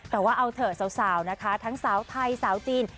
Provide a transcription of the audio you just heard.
แต่ว่าเอาเถอะสาวนะคะทั้งสาวไทยสาวจีน